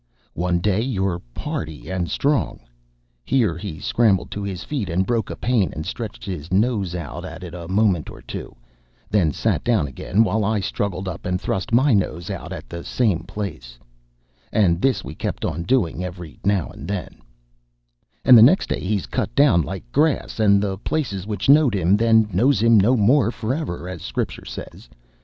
One day you're hearty and strong" here he scrambled to his feet and broke a pane and stretched his nose out at it a moment or two, then sat down again while I struggled up and thrust my nose out at the same place, and this we kept on doing every now and then "and next day he's cut down like the grass, and the places which knowed him then knows him no more forever, as Scriptur' says.